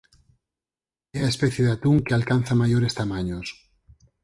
É a especie de atún que alcanza maiores tamaños.